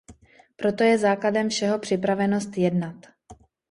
Proto je základem všeho připravenost jednat.